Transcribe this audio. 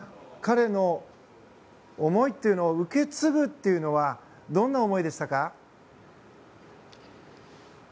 彼の思いというのを受け継ぐというのはどんな思いでしたか？